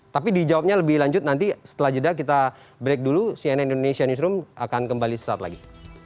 jadi jawabnya lebih lanjut nanti setelah jeda kita break dulu cnn indonesia newsroom akan kembali sesaat lagi